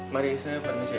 mari saya permisi